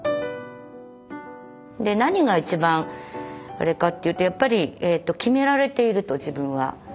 何が一番あれかというとやっぱり決められていると自分は。